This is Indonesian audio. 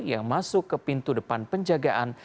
yang masuk ke pintu depan penjagaan